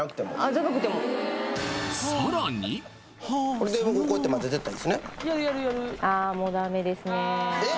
じゃなくても僕こうやってまぜてったらいいっすねえっ！？